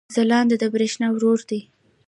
ځلاند د برېښنا ورور دی